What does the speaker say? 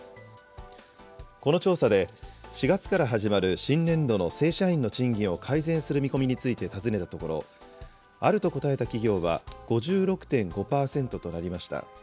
この調査で、４月から始まる新年度の正社員の賃金を改善する見込みについて尋ねたところ、あると答えた企業は５６．５％となりました。